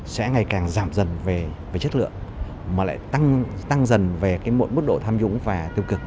sẽ ngày càng giảm dần về chất lượng mà lại tăng dần về cái mỗi mức độ tham dũng và tiêu cực